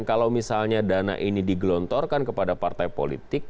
kalau misalnya dana ini digelontorkan kepada partai politik